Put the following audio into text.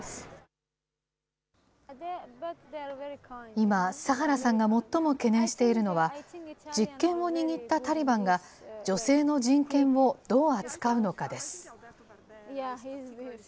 今、サハラさんが最も懸念しているのは、実権を握ったタリバンが女性の人権をどう扱うのかです。